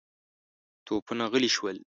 توپونه غلي شول.